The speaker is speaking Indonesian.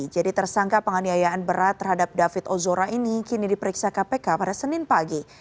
jadi tersangka penganiayaan berat terhadap david ozora ini kini diperiksa kpk pada senin pagi